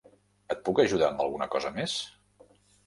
Et puc ajudar amb alguna cosa més?